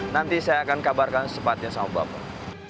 nanti saya akan kabarkan secepatnya sama bapak